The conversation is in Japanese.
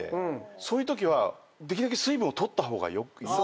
そういうときはできるだけ水分を取った方が良かった。